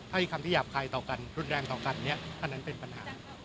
ให้คำที่หยาบคายต่อกันรุนแรงต่อกันเนี่ยอันนั้นเป็นปัญหา